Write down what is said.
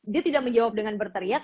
dia tidak menjawab dengan berteriak